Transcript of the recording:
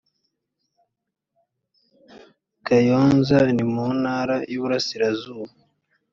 kayonza ni mu ntara y iburasirazuba